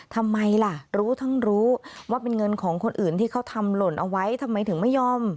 ทำไมล่ะรู้ทั้งรู้ว่าเป็นเงินของคนอื่นที่เขาทำหล่นเอาไว้ทำไมถึงไม่ยอม